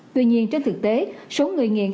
tuy nhiên trên thực tế số người nghiện